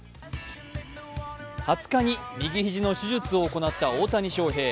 ２０日に右肘の手術を行った大谷翔平。